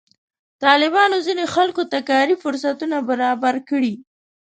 طالبانو ځینې خلکو ته کار فرصتونه برابر کړي.